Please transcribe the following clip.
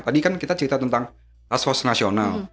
tadi kan kita cerita tentang task force nasional